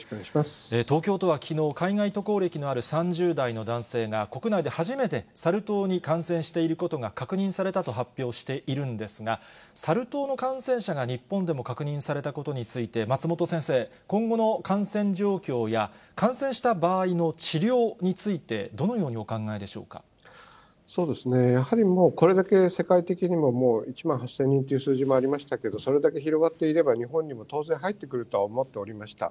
東京都はきのう、海外渡航歴のある３０代の男性が、国内で初めてサル痘に感染していることが確認されたと発表しているんですが、サル痘の感染者が日本でも確認されたことについて、松本先生、今後の感染状況や、感染した場合の治療について、どのようにお考やはりこれだけ世界的にももう、１万８０００人という数字もありましたけど、それだけ広がっていれば、日本にも当然入ってくるとは思っておりました。